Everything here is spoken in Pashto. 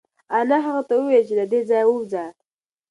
انا هغه ته وویل چې له دې ځایه ووځه.